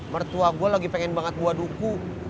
mertua gue lagi pengen banget buat duku